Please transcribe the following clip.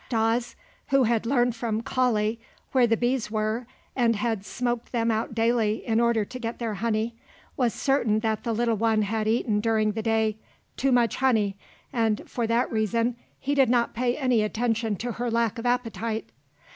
Stas, who had learned from Kali where the bees were and had smoked them out daily in order to get their honey, was certain that the little one had eaten during the day too much honey, and for that reason he did not pay any attention to her lack of appetite.